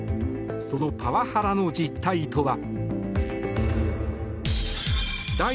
そのパワハラの実態とは。